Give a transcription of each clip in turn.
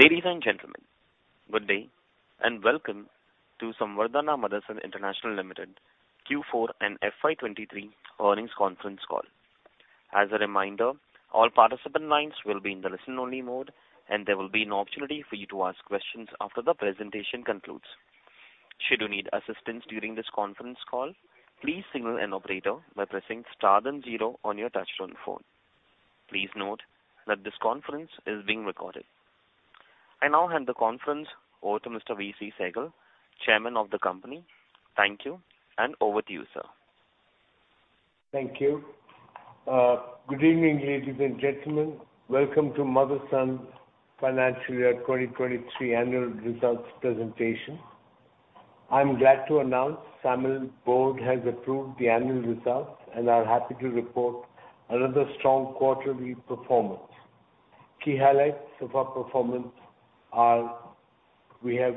Ladies and gentlemen, good day, and welcome to Samvardhana Motherson International Limited Q4 and FY 2023 earnings conference call. As a reminder, all participant lines will be in the listen-only mode, and there will be an opportunity for you to ask questions after the presentation concludes. Should you need assistance during this conference call, please signal an operator by pressing star then 0 on your touchtone phone. Please note that this conference is being recorded. I now hand the conference over to Mr. V.C. Sehgal, Chairman of the company. Thank you, and over to you, sir. Thank you. Good evening, ladies and gentlemen. Welcome to Motherson Financial Year 2023 annual results presentation. I'm glad to announce SAMIL board has approved the annual results, and are happy to report another strong quarterly performance. Key highlights of our performance are: we have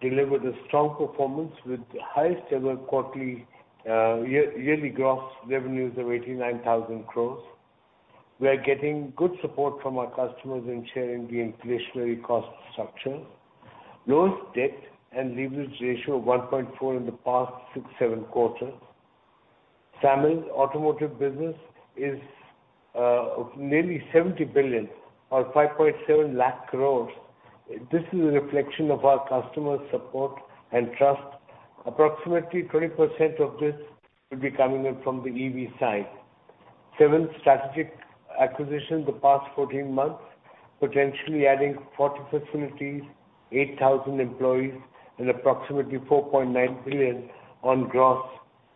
delivered a strong performance with the highest ever quarterly, yearly gross revenues of 89,000 crore. We are getting good support from our customers in sharing the inflationary cost structure. Lowest debt and leverage ratio of 1.4 in the past six, seven quarters. SAMIL automotive business is of nearly $70 billion or 5.7 lakh crore. This is a reflection of our customer support and trust. Approximately 20% of this will be coming in from the EV side. Seven strategic acquisitions in the past 14 months, potentially adding 40 facilities, 8,000 employees, and approximately 4.9 billion on gross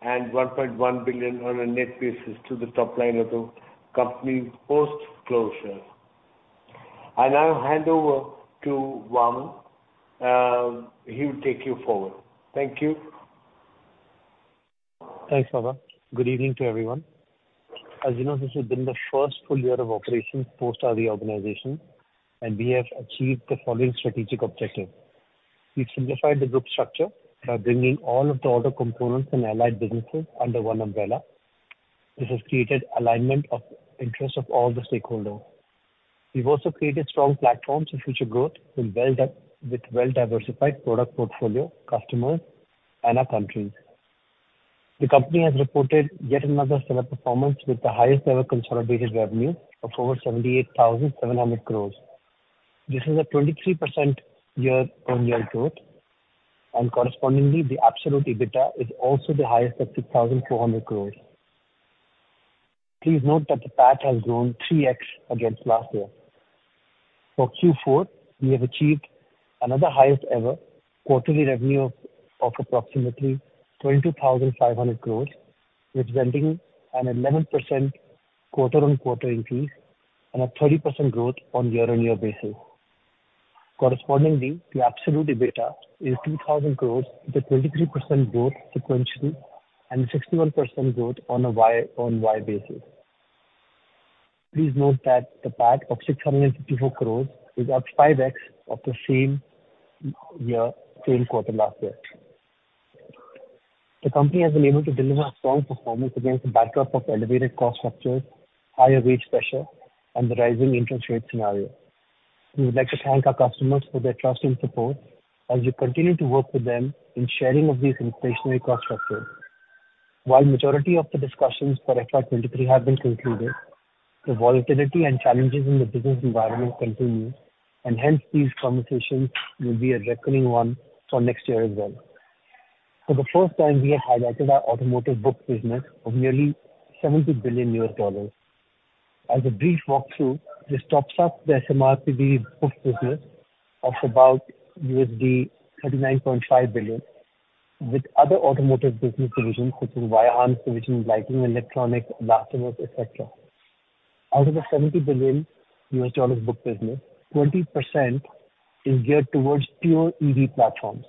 and 1.1 billion on a net basis to the top line of the company's post-closure. I now hand over to Vaaman. He will take you forward. Thank you. Thanks, Papa. Good evening to everyone. As you know, this has been the first full year of operations post our reorganization. We have achieved the following strategic objectives. We've simplified the group structure by bringing all of the auto components and allied businesses under one umbrella. This has created alignment of interests of all the stakeholders. We've also created strong platforms for future growth with well-diversified product portfolio, customers, and our countries. The company has reported yet another stellar performance, with the highest ever consolidated revenue of over 78,700 crores. This is a 23% year-on-year growth, and correspondingly, the absolute EBITDA is also the highest at 6,400 crores. Please note that the PAT has grown 3x against last year. For Q4, we have achieved another highest ever quarterly revenue of approximately 22,500 crores, representing an 11% quarter-on-quarter increase and a 30% growth on year-on-year basis. Correspondingly, the absolute EBITDA is 2,000 crores, with a 23% growth sequentially and 61% growth on a YOY basis. Please note that the PAT of 654 crores is up 5x of the same year, same quarter last year. The company has been able to deliver a strong performance against the backdrop of elevated cost structures, higher wage pressure, and the rising interest rate scenario. We would like to thank our customers for their trust and support as we continue to work with them in sharing of these inflationary cost structures. While majority of the discussions for FY 2023 have been concluded, the volatility and challenges in the business environment continue, and hence these conversations will be a recurring one for next year as well. For the first time, we have highlighted our automotive book business of nearly $70 billion. As a brief walkthrough, this tops up the SMRP BV book business of about $39.5 billion, with other automotive business divisions, which is Wiring Harness division, lighting, electronics, Elastomers, et cetera. Out of the $70 billion book business, 20% is geared towards pure EV platforms.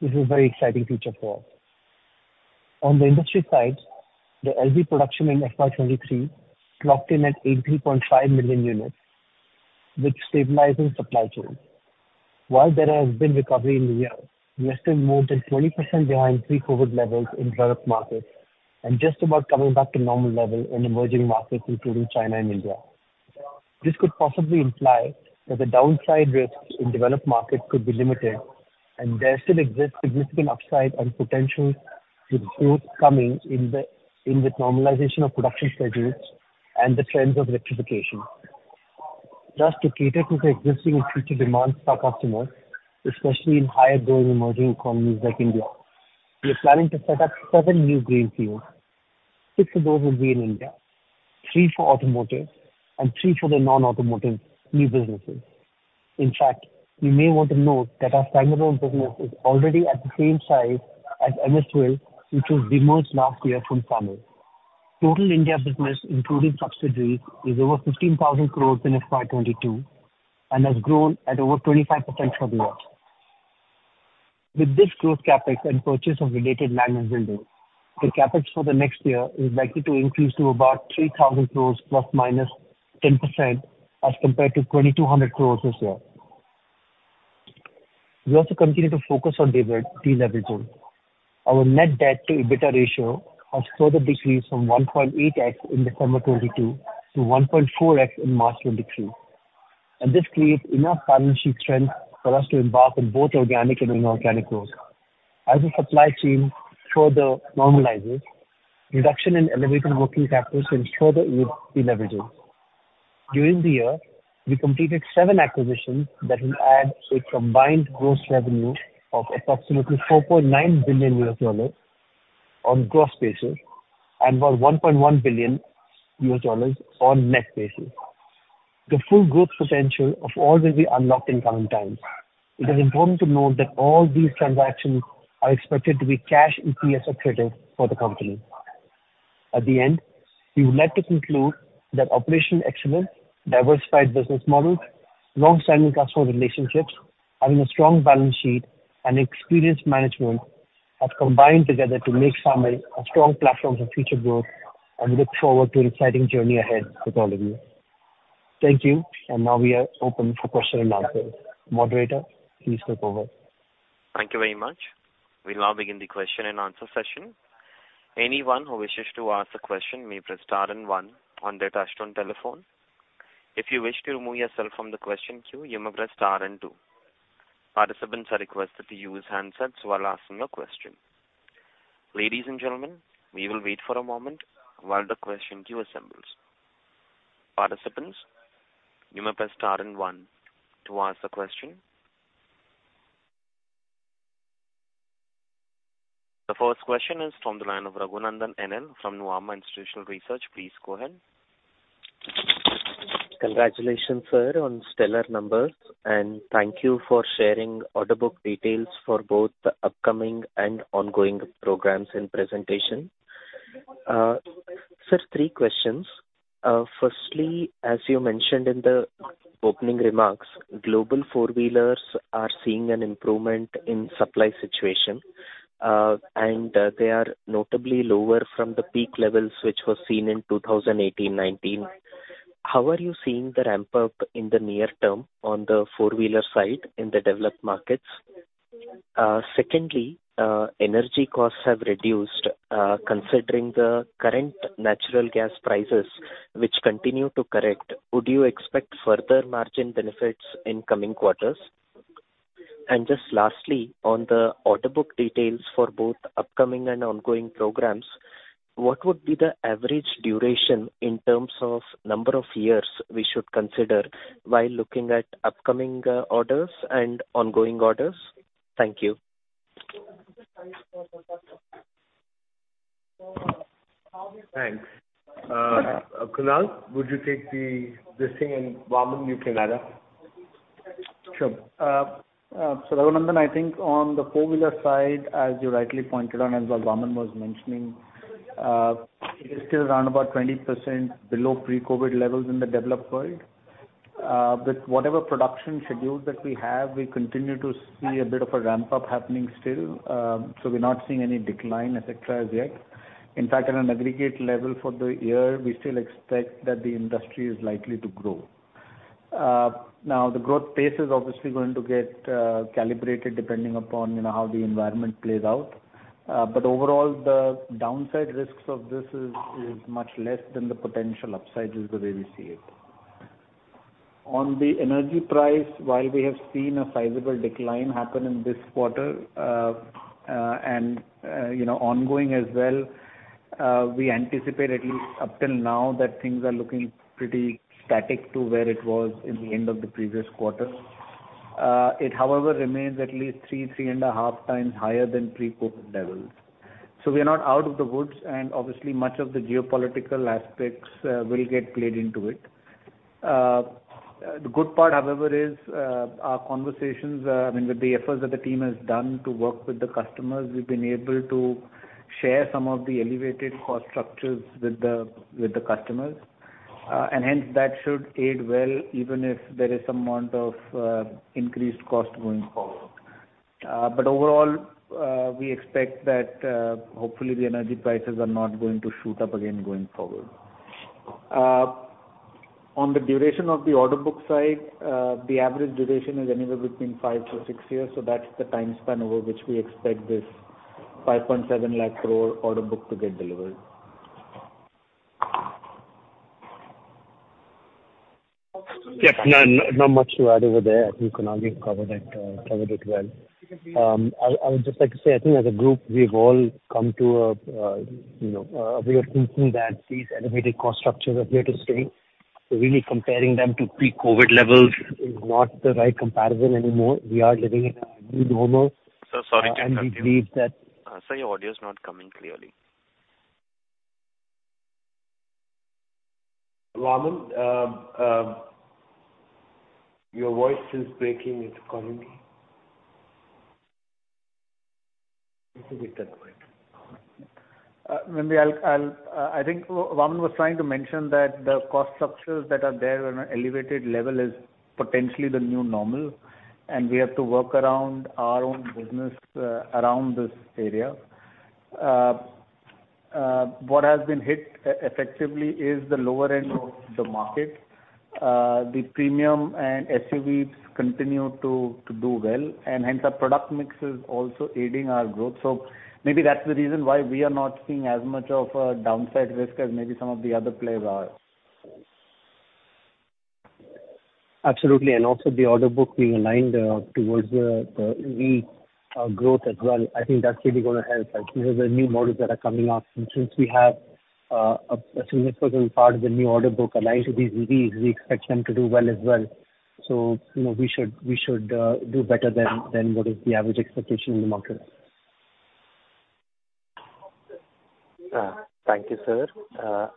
This is a very exciting future for us. On the industry side, the LV production in FY 2023 clocked in at 83.5 million units, which stabilizes supply chain. While there has been recovery in the year, we are still more than 20% behind pre-COVID levels in developed markets, and just about coming back to normal level in emerging markets, including China and India. This could possibly imply that the downside risks in developed markets could be limited, and there still exists significant upside and potential with growth coming in the normalization of production schedules and the trends of electrification. Just to cater to the existing and future demands for our customers, especially in higher growth emerging economies like India, we are planning to set up seven new greenfields. Six of those will be in India, three for automotive and three for the non-automotive new businesses. In fact, you may want to note that our standalone business is already at the same size as MSWIL, which was demerged last year from SAMIL. Total India business, including subsidiaries, is over 15,000 crores in FY 2022 and has grown at over 25% for the year. With this growth CapEx and purchase of related land and buildings, the CapEx for the next year is likely to increase to about 3,000 crores ±10% as compared to 2,200 crores this year. We also continue to focus on deleveraging. Our net debt to EBITDA ratio has further decreased from 1.8x in December 2022 to 1.4x in March 2023. This creates enough balance sheet strength for us to embark on both organic and inorganic growth. As the supply chain further normalizes, reduction in elevated working capital will further aid deleveraging. During the year, we completed seven acquisitions that will add a combined gross revenue of approximately $4.9 billion on gross basis, and about $1.1 billion on net basis. The full growth potential of all will be unlocked in coming times. It is important to note that all these transactions are expected to be cash entry as accretive for the company. At the end, we would like to conclude that operational excellence, diversified business model, long-standing customer relationships, having a strong balance sheet and experienced management have combined together to make SAMIL a strong platform for future growth, we look forward to an exciting journey ahead with all of you. Thank you. Now we are open for question and answers. Moderator, please take over. Thank you very much. We'll now begin the question and answer session. Anyone who wishes to ask a question may press star and one on their touchtone telephone. If you wish to remove yourself from the question queue, you may press star and two. Participants are requested to use handsets while asking a question. Ladies and gentlemen, we will wait for a moment while the question queue assembles. Participants, you may press star and one to ask a question. The first question is from the line of Raghunandan N.L. from Nuvama Institutional Research. Please go ahead. Congratulations, sir, on stellar numbers, and thank you for sharing order book details for both the upcoming and ongoing programs and presentation. Sir, three questions. Firstly, as you mentioned in the opening remarks, global four-wheelers are seeing an improvement in supply situation, and they are notably lower from the peak levels, which were seen in 2018-2019. How are you seeing the ramp up in the near term on the four-wheeler side in the developed markets? Secondly, energy costs have reduced. Considering the current natural gas prices, which continue to correct, would you expect further margin benefits in coming quarters? Lastly, on the order book details for both upcoming and ongoing programs, what would be the average duration in terms of number of years we should consider while looking at upcoming orders and ongoing orders? Thank you. Thanks. Kunal, would you take this thing, and Vaaman, you can add on? Sure. Raghunandan, I think on the four-wheeler side, as you rightly pointed out, as Vaaman was mentioning, it is still around about 20% below pre-COVID levels in the developed world. With whatever production schedules that we have, we continue to see a bit of a ramp up happening still. We're not seeing any decline et cetera, as yet. In fact, on an aggregate level for the year, we still expect that the industry is likely to grow. The growth pace is obviously going to get calibrated depending upon, you know, how the environment plays out. Overall, the downside risks of this is much less than the potential upside is the way we see it. On the energy price, while we have seen a sizable decline happen in this quarter, and, you know, ongoing as well, we anticipate at least up till now, that things are looking pretty static to where it was in the end of the previous quarter. It, however, remains at least three and a half times higher than pre-COVID levels. We are not out of the woods, and obviously much of the geopolitical aspects will get played into it. The good part, however, is our conversations, I mean, with the efforts that the team has done to work with the customers, we've been able to share some of the elevated cost structures with the customers. And hence, that should aid well, even if there is some amount of increased cost going forward. Overall, we expect that, hopefully, the energy prices are not going to shoot up again going forward. On the duration of the order book side, the average duration is anywhere between five to six years, that's the time span over which we expect this 5.7 lakh crore order book to get delivered. Yes, not much to add over there. I think Kunal covered it, covered it well. I would just like to say, I think as a group, we've all come to a, you know, a way of thinking that these elevated cost structures are here to stay. Really comparing them to pre-COVID levels is not the right comparison anymore. We are living in a new normal. Sir, sorry to interrupt you. We believe that-- Sir, your audio is not coming clearly. Vaaman, your voice is breaking. It's coming... This is a different point. I think Vaaman was trying to mention that the cost structures that are there on an elevated level is potentially the new normal, and we have to work around our own business around this area. What has been hit effectively is the lower end of the market. The premium and SUVs continue to do well, and hence our product mix is also aiding our growth. Maybe that's the reason why we are not seeing as much of a downside risk as maybe some of the other players are. Absolutely. Also the order book being aligned towards the EV growth as well. I think that's really gonna help, like, you know, the new models that are coming up. Since we have a significant part of the new order book aligned to these EVs, we expect them to do well as well. You know, we should do better than what is the average expectation in the market. Thank you, sir.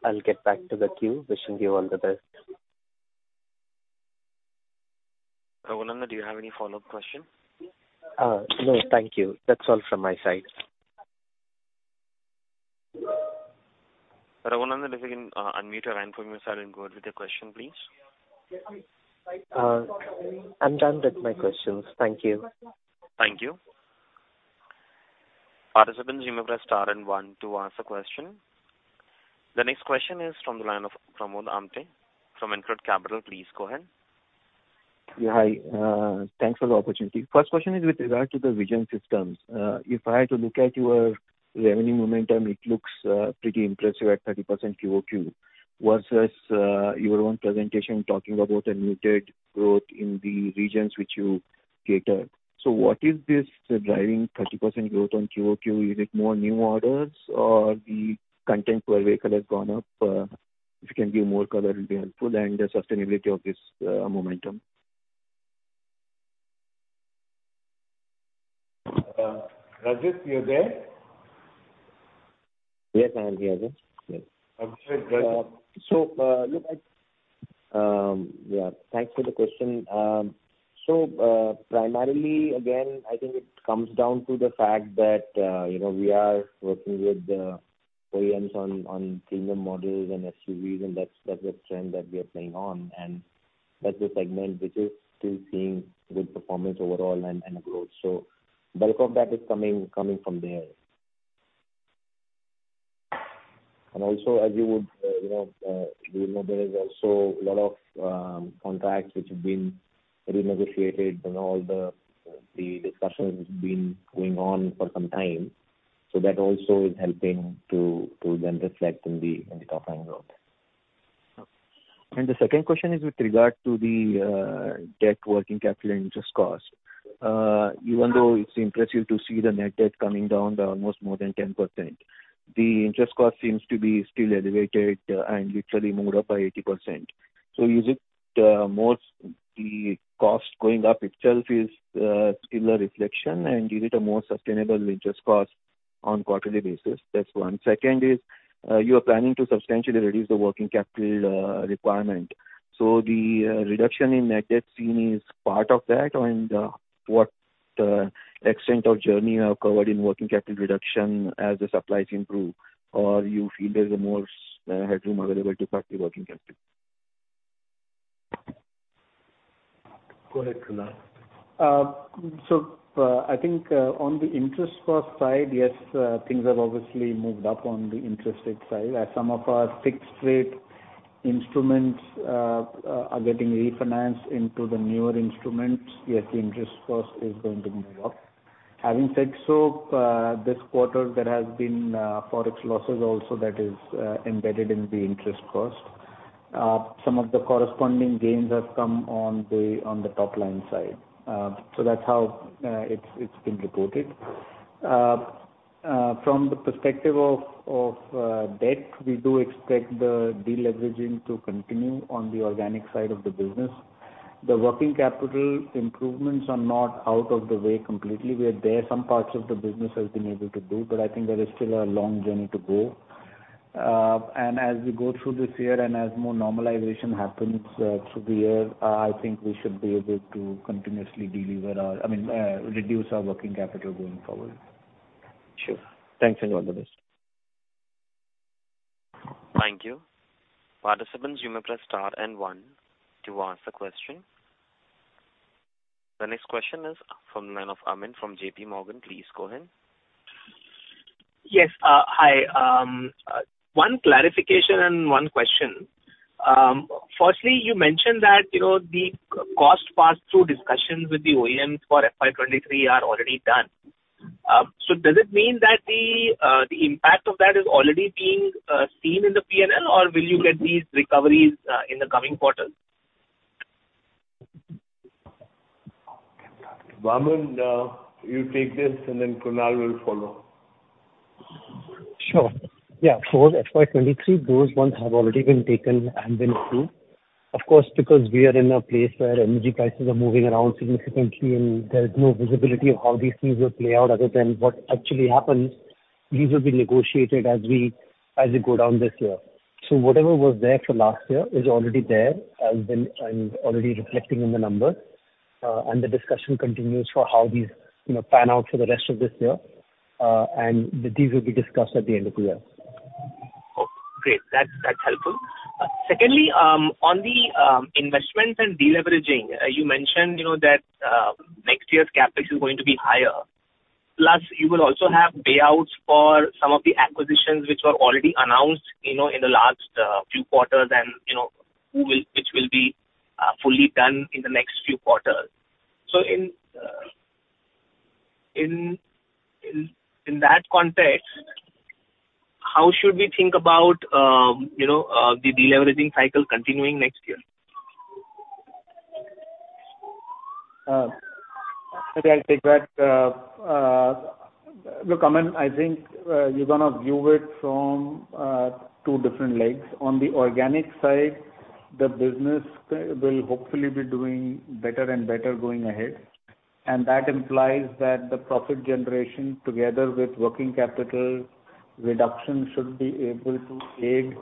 I'll get back to the queue. Wishing you all the best. Raghunandan N. L., do you have any follow-up question? No, thank you. That's all from my side. Raghunandan N. L., if you can, unmute your line from your side and go ahead with your question, please. I'm done with my questions. Thank you. Thank you. Participants, you may press star and one to ask a question. The next question is from the line of Pramod Amthe from InCred Capital. Please go ahead. Yeah, hi. Thanks for the opportunity. First question is with regard to the Vision Systems. If I had to look at your revenue momentum, it looks pretty impressive at 30% QOQ, versus your own presentation, talking about a muted growth in the regions which you cater. What is this driving 30% growth on QOQ? Is it more new orders or the content per vehicle has gone up? If you can give more color, it will be helpful, and the sustainability of this momentum. Rajesh, you're there? Yes, I am here, yes. Yes. Okay, Rajesh. Yeah, thanks for the question. Primarily, again, I think it comes down to the fact that, you know, we are working with the OEMs on premium models and SUVs, and that's a trend that we are playing on, and that's the segment which is still seeing good performance overall and growth. So bulk of that is coming from there. Also, as you would, you know, we know there is also a lot of contracts which have been renegotiated and all the discussions been going on for some time. That also is helping to then reflect in the, in the top line growth. The second question is with regard to the debt working capital and interest cost. Even though it's impressive to see the net debt coming down by almost more than 10%, the interest cost seems to be still elevated, and literally moved up by 80%. Is it more the cost going up itself is still a reflection? Is it a more sustainable interest cost on quarterly basis? That's one. Second is, you are planning to substantially reduce the working capital requirement. The reduction in net debt seen is part of that, and what extent of journey you have covered in working capital reduction as the supply chain improve, or you feel there's a more headroom available to cut the working capital? Go ahead, Kunal. I think, on the interest cost side, yes, things have obviously moved up on the interest rate side. As some of our fixed rate instruments are getting refinanced into the newer instruments, yes, the interest cost is going to move up. Having said so, this quarter, there has been Forex losses also that is embedded in the interest cost. Some of the corresponding gains have come on the, on the top line side. That's how it's been reported. From the perspective of debt, we do expect the deleveraging to continue on the organic side of the business. The working capital improvements are not out of the way completely. We are there, some parts of the business has been able to do, but I think there is still a long journey to go. As we go through this year, and as more normalization happens, through the year, I think we should be able to continuously I mean, reduce our working capital going forward. Sure. Thanks, and all the best. Thank you. Participants, you may press star and one to ask a question. The next question is from the line of Amyn Pirani from J.P. Morgan. Please go ahead. Yes, hi. One clarification and one question. Firstly, you mentioned that, you know, the cost pass-through discussions with the OEMs for FY 2023 are already done. Does it mean that the impact of that is already being seen in the P&L, or will you get these recoveries in the coming quarters? Vaaman, you take this, and then Kunal will follow. Sure. Yeah, for FY 2023, those ones have already been taken and been approved. Of course, because we are in a place where energy prices are moving around significantly, and there is no visibility of how these things will play out other than what actually happens, these will be negotiated as we go down this year. Whatever was there for last year is already there and already reflecting in the numbers. The discussion continues for how these, you know, pan out for the rest of this year, and these will be discussed at the end of the year. Great! That's helpful. Secondly, on the investment and deleveraging, you mentioned, you know, that next year's CapEx is going to be higher, plus you will also have payouts for some of the acquisitions which were already announced, you know, in the last few quarters, and, you know, which will be fully done in the next few quarters. In that context, how should we think about, you know, the deleveraging cycle continuing next year? Okay, I'll take that. Look, Amyn, I think you're going to view it from two different legs. On the organic side, the business will hopefully be doing better and better going ahead. And that implies that the profit generation, together with working capital reduction, should be able to aid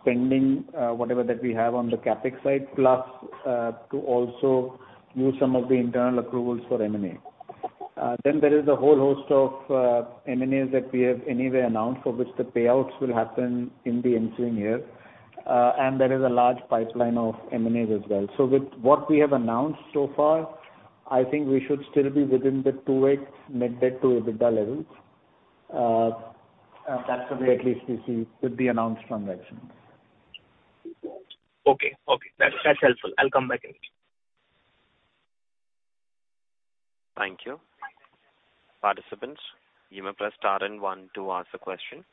spending, whatever that we have on the CapEx side, plus to also use some of the internal approvals for M&A. Then there is a whole host of M&As that we have anyway announced, for which the payouts will happen in the ensuing year. And there is a large pipeline of M&As as well. So with what we have announced so far, I think we should still be within the 2x net debt to EBITDA levels. That's the way at least we see with the announced transactions. Okay. Okay, that's helpful. I'll come back again. Thank you. Participants, you may press star and one to ask the question.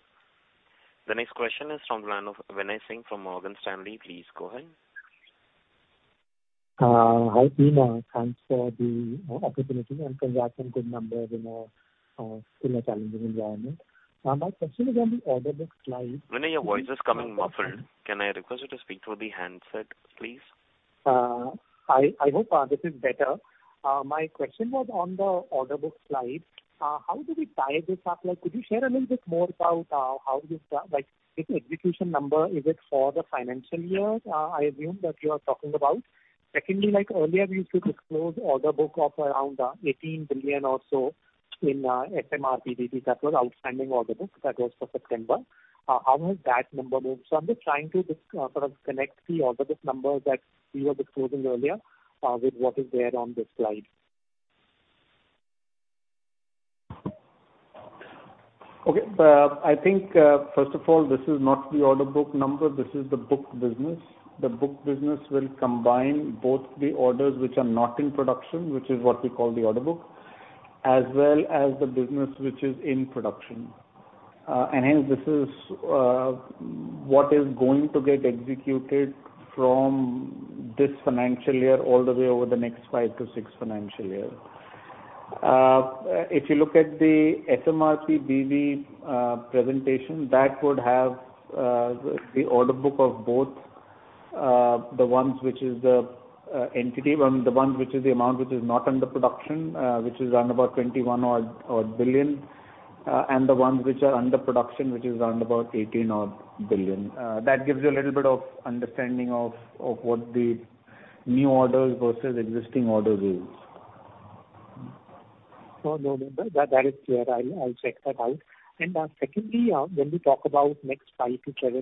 The next question is from Binay Singh, from Morgan Stanley. Please go ahead. Hi, team. Thanks for the opportunity, and congrats on good numbers in a challenging environment. My question is on the order book slide. Binay, your voice is coming muffled. Can I request you to speak through the handset, please? I hope this is better. My question was on the order book slide. How do we tie this up? Like, could you share a little bit more about how this, like, this execution number, is it for the financial year I assume that you are talking about? Secondly, like earlier, we used to disclose order book of around 18 billion or so in SMRP BV that was outstanding order book. That was for September. How has that number moved? I'm just trying to sort of connect the order book number that you were disclosing earlier with what is there on this slide. Okay. I think, first of all, this is not the order book number. This is the booked business. The booked business will combine both the orders which are not in production, which is what we call the order book, as well as the business which is in production. Hence, this is what is going to get executed from this financial year all the way over the next five to six financial years. If you look at the SMRP BV presentation, that would have the order book of both the ones which is the entity, I mean, the one which is the amount which is not under production, which is around about $21 odd billion, and the ones which are under production, which is around about $18 odd billion. That gives you a little bit of understanding of what the new orders versus existing orders is. No, no, that is clear. I'll check that out. Secondly, when we talk about next 5-7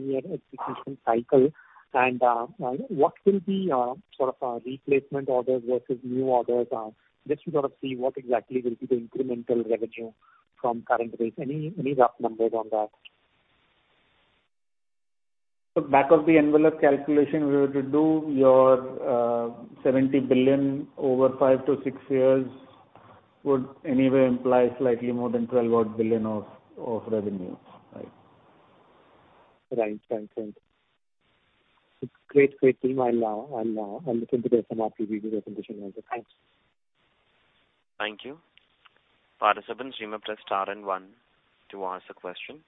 year execution cycle and what will be sort of replacement orders versus new orders, just we got to see what exactly will be the incremental revenue from current rate. Any rough numbers on that? Back of the envelope calculation, we were to do your $70 billion over 5-6 years would anyway imply slightly more than $12 odd billion of revenue. Right? Right. Thank you. It's great team. I'll look into the SMRP BV presentation. Thanks. Thank you. Participants, you may press star and one to ask the question.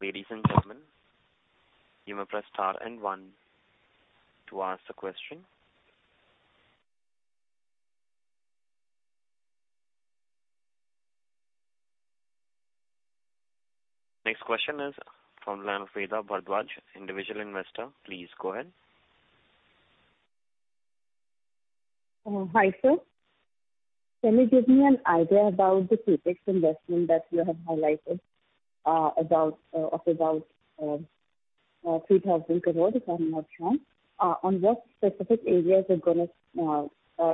Ladies and gentlemen, you may press star and one to ask the question. Next question is from Vira Bhardwaj, individual investor. Please go ahead. Hi, sir. Can you give me an idea about the CapEx investment that you have highlighted, of about 3,000 crore, if I'm not wrong. On what specific areas are gonna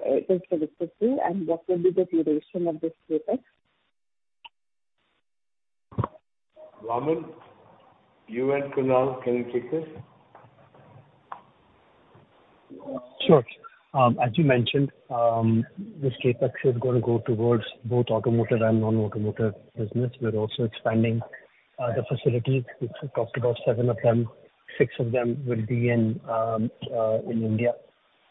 it is related to, and what will be the duration of this CapEx? Vaaman, you and Kunal, can you take this? Sure. As you mentioned, this CapEx is gonna go towards both automotive and non-automotive business. We're also expanding the facilities. We've talked about seven of them. Six of them will be in India,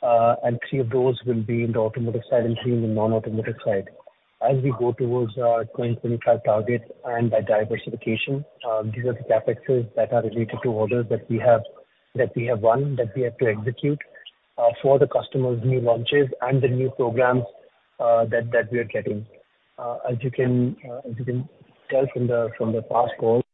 and three of those will be in the automotive side and three in the non-automotive side. As we go towards our 2025 targets and by diversification, these are the CapExes that are related to orders that we have, that we have won, that we have to execute for the customers' new launches and the new programs that we are getting. As you can tell from the past calls.